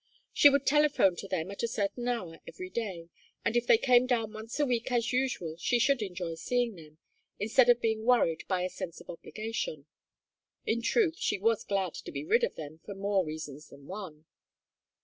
She would telephone to them at a certain hour every day, and if they came down once a week as usual she should enjoy seeing them, instead of being worried by a sense of obligation. In truth she was glad to be rid of them for more reasons than one.